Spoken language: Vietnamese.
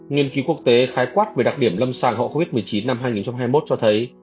nghiên cứu quốc tế khái quát về đặc điểm lâm sàng hậu covid một mươi chín năm hai nghìn hai mươi một cho thấy